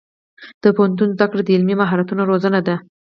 د پوهنتون زده کړه د عملي مهارتونو روزنه ده.